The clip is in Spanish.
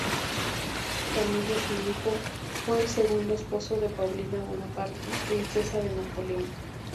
Camillo Filippo fue el segundo esposo de Paulina Bonaparte, princesa Napoleón.